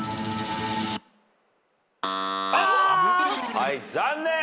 はい残念！